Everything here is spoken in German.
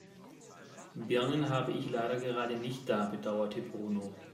Birnen habe ich leider gerade nicht da, bedauerte Bruno.